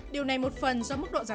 điều này một phần do mức độ giảm khóa